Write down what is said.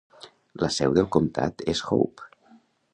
La seu del comtat és Hope.